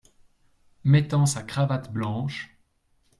Mettant sa cravate blanche.